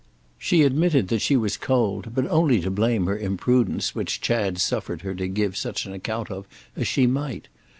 She admitted that she was cold, but only to blame her imprudence which Chad suffered her to give such account of as she might.